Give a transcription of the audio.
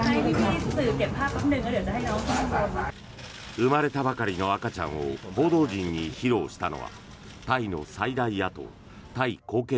生まれたばかりの赤ちゃんを報道陣に披露したのはタイの最大野党・タイ貢献